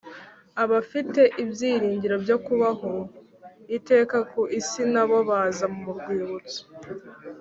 Abafite ibyiringiro byo kubaho iteka ku isi na bo baza mu Rwibutso